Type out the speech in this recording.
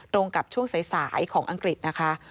ตรงกับช่วงสายของอังกฤษนะคะ